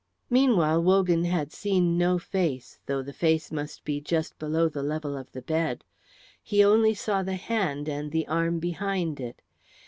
Meanwhile Wogan had seen no face, though the face must be just below the level of the bed. He only saw the hand and the arm behind it.